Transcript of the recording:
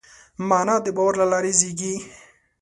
معنی د باور له لارې زېږي.